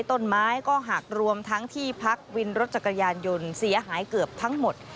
ต้นไม้ก็หักรวมทั้งที่พักวินรถจักรยานยนต์เสียหายเกือบทั้งหมด